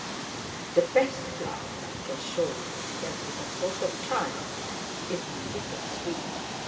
"The best flower I can show you," he said, with a sort of triumph, "is my little sweet.